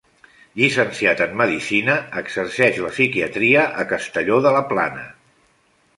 Llicenciat en medicina, exerceix la psiquiatria a Castelló de la Plana.